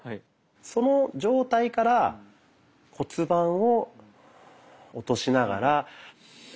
その状態から骨盤を落としながら。